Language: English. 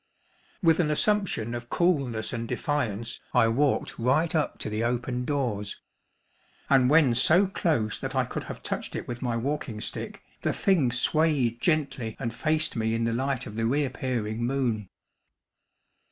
With an assumption of coolness and defiance I walked right up to the open doors; and when so close that I could have touched it with my walking stick, the thing swayed gently and faced me in the light of the re appearing moon.